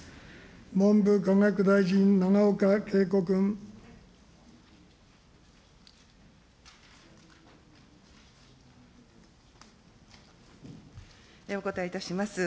文部科学大臣、お答えいたします。